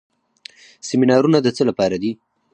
سیمینارونه د څه لپاره دي؟